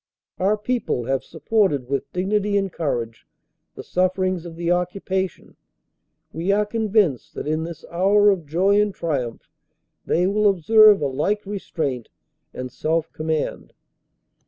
"Our people have supported with dignity and courage the sufferings of the occupation. We are convinced that in this hour of joy and triumph they will observe a like restraint and self command.